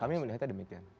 kami melihatnya demikian